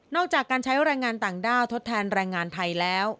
จากการใช้แรงงานต่างด้าวทดแทนแรงงานไทยแล้ว